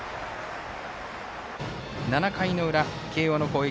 ７回の裏、慶応の攻撃。